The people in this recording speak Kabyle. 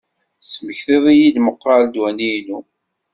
Tesmektiḍ-iyi-d meqqar ddwa-inu.